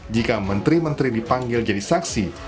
jika menteri menteri dipanggil jadi saksi